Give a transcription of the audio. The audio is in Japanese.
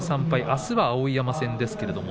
あすは碧山戦です。